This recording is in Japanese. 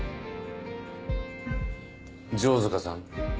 城塚さん。